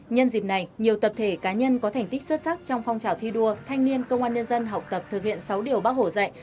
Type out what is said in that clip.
nhân dịp này nhiều tập thể cá nhân có thành tích xuất sắc trong phong trào thi đua thanh niên công an nhân dân học tập thực hiện sáu điều bác hồ dạy